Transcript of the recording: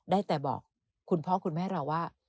ได้แต่บอกคุณพ่อคุณแม่เราว่า